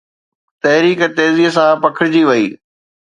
تحريڪ تيزيءَ سان پکڙجي وئي